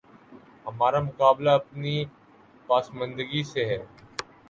ہمارا مقابلہ اپنی پسماندگی سے ہے۔